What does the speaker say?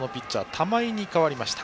玉井に代わりました。